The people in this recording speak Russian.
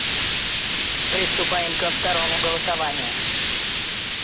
Приступаем ко второму голосованию.